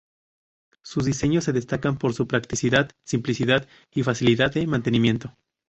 Sus diseños se destacan por su practicidad, simplicidad y facilidad de mantenimiento.